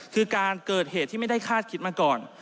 คือการเกิดเหตุที่ไม่ได้คาดคิดมาก่อน